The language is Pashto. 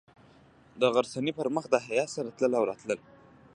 د غرڅنۍ پر مخ د حیا سره تلل او راتلل.